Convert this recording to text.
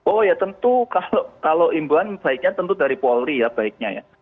oh ya tentu kalau imbauan baiknya tentu dari polri ya baiknya ya